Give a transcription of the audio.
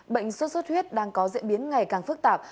bệnh sốt xuất huyết đang có diễn biến ngày càng phức tạp